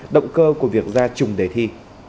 động cơ của việc ra chung đề thi